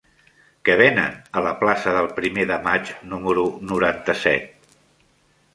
Què venen a la plaça del Primer de Maig número noranta-set?